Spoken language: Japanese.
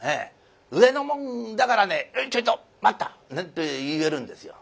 上の者だからね「ちょいと待った」なんて言えるんですよ。